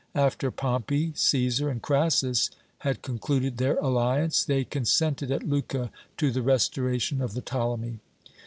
After Pompey, Cæsar, and Crassus had concluded their alliance, they consented at Lucca to the restoration of the Ptolemy.